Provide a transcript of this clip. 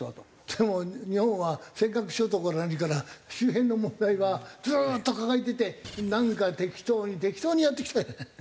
でも日本は尖閣諸島から何から周辺の問題はずっと抱えててなんか適当に適当にやってきたじゃない。